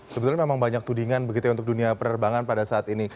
sebetulnya memang banyak tudingan untuk dunia pererbangan pada saat ini